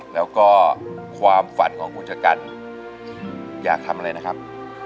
แล้วก็ความฝันของคุณชะกันอยากทำอะไรนะครับ